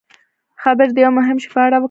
خبرې د یوه مهم شي په اړه وکړي.